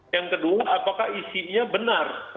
yang kedua apakah isinya benar